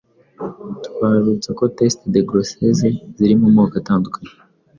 twabibutsa ko test de grossesse ziri mu moko atandukanye